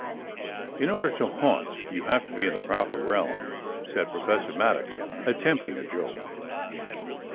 "In order to haunt, you have to be in the proper realm," said Professor Maddox, attempting a joke.